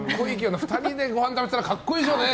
２人でごはん食べてたら格好いいでしょうね。